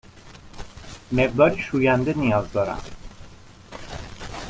مقداری شوینده نیاز دارم.